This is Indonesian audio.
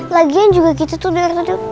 lagian juga gitu tuh